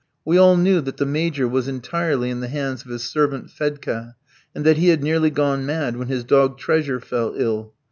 We all knew that the Major was entirely in the hands of his servant Fedka, and that he had nearly gone mad when his dog "Treasure" fell ill.